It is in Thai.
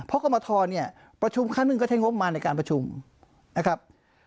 เพราะกรมทรเนี่ยประชุมครั้งหนึ่งก็ใช้งบมาในการประชุมนะครับ